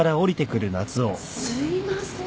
すいません。